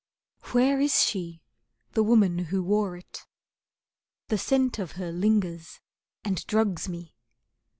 Where is she, the woman who wore it? The scent of her lingers and drugs me!